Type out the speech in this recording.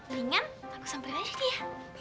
lingan aku samperin aja dia